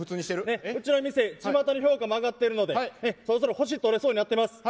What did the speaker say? うちの店ちまたの評価も上がってるのでそろそろ星取れそうになってます。